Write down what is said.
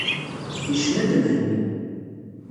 Yecna-d Mhenni.